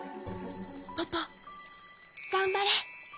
ポポがんばれ！